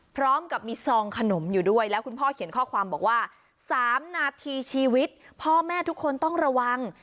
พร้อมกับมีซองขนมอยู่ด้วยแล้วคุณพ่อเขียนข้อความบอกว่า๓นาทีชีวิตพ่อแม่ทุกคนต้องระวัง